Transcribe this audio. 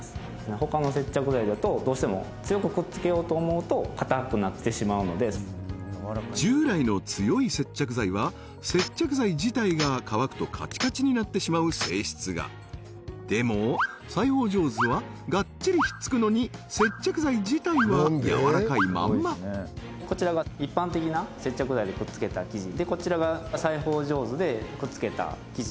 他の接着剤だとどうしても強くくっつけようと思うと硬くなってしまうので従来の強い接着剤は接着剤自体が乾くとカチカチになってしまう性質がでも裁ほう上手はがっちりひっつくのに接着剤自体は柔らかいまんまこちらは一般的な接着剤でくっつけた生地でこちらが裁ほう上手でくっつけた生地